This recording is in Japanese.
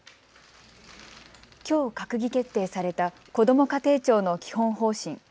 きょう閣議決定されたこども家庭庁の基本方針。